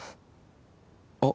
あっ。